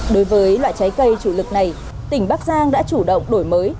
đối với loại trái cây chủ lực này tỉnh bắc giang đã chủ động đổi mới